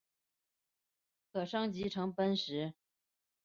可升级成奔石。